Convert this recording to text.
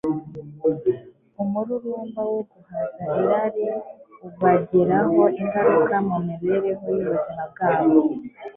umururumba wo guhaza irari ubagiraho ingaruka mu mibereho y'ubuzima bwabo